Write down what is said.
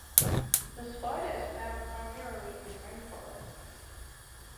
The spider is found primarily in rainforests.